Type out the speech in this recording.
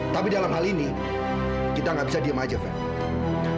tapi dalam hal ini kita tidak bisa diam saja fen